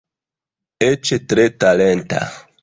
Eĉ tre talenta.